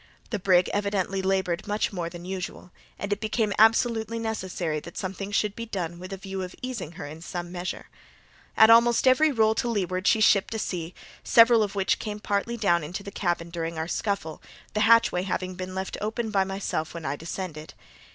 The brig evidently laboured much more than usual, and it became absolutely necessary that something should be done with a view of easing her in some measure. At almost every roll to leeward she shipped a sea, several of which came partially down into the cabin during our scuffle, the hatchway having been left open by myself when I descended.